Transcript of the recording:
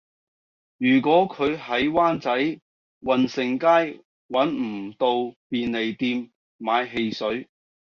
如果佢喺灣仔運盛街搵唔到便利店買汽水